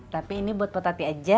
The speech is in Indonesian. tapi ini buat petati aja